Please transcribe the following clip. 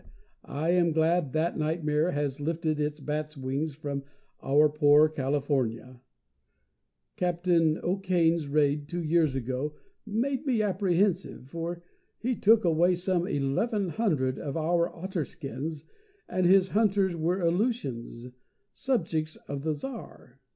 I am glad that nightmare has lifted its bat's wings from our poor California. Captain O'Cain's raid two years ago made me apprehensive, for he took away some eleven hundred of our otter skins and his hunters were Aleutians subjects of the Tsar.